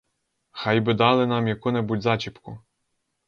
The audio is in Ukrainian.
Хай би дали нам яку-небудь зачіпку.